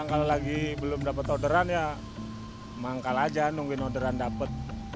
kalau lagi belum dapat orderan ya manggal aja nungguin orderan dapat